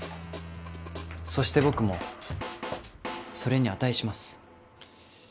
そして僕もそれに値します。